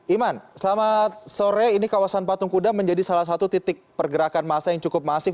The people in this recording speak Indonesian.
iman selamat sore ini kawasan patung kuda menjadi salah satu titik pergerakan masa yang cukup masif